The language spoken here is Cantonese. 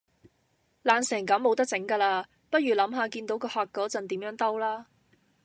爛成咁冇得整架喇，不如諗下見到個客嗰陣點樣兜啦